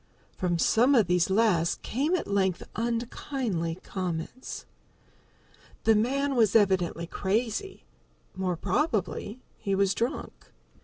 From some of these last came at length unkindly comments. The man was evidently crazy more probably he was drunk.